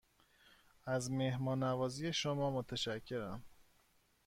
از مهمان نوازی شما متشکرم.